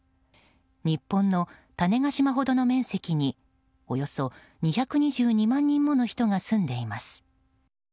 日本の種子島ほどの面積におよそ２２０万人もの人が住んでいます。